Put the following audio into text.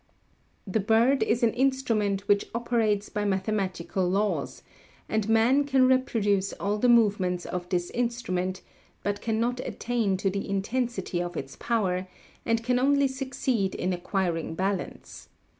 The bird is an instrument which operates by mathematical laws, and man can reproduce all the movements of this instrument, but cannot attain to the intensity of its power; and can only succeed in acquiring balance.